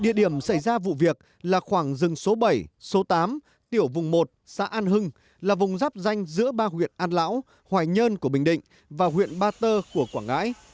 địa điểm xảy ra vụ việc là khoảng rừng số bảy số tám tiểu vùng một xã an hưng là vùng giáp danh giữa ba huyện an lão hoài nhơn của bình định và huyện ba tơ của quảng ngãi